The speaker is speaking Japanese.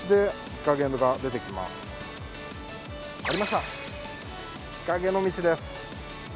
日陰の道です。